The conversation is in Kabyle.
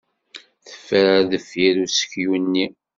Teffer deffir useklu-nni.